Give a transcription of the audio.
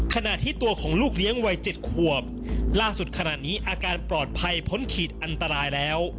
ขณะที่ตัวของลูกเลี้ยงวัย๗ขวบล่าสุดขณะนี้อาการปลอดภัยพ้นขีดอันตรายแล้ว